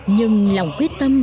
nhưng lòng quyết tâm